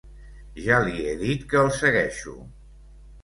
Ja li he dit que el segueixo.